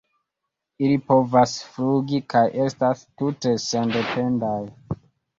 Ili povas flugi kaj estas tute sendependaj.